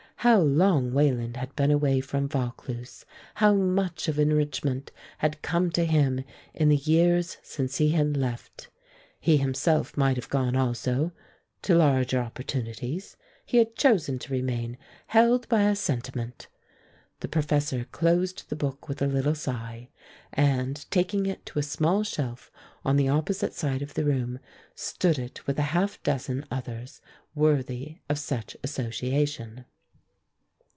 How long Wayland had been away from Vaucluse, how much of enrichment had come to him in the years since he had left! He himself might have gone also, to larger opportunities he had chosen to remain, held by a sentiment! The professor closed the book with a little sigh, and taking it to a small shelf on the opposite side of the room, stood it with a half dozen others worthy of such association.